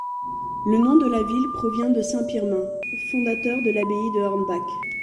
Le nom de la ville provient de saint Pirmin, fondateur de l'abbaye de Hornbach.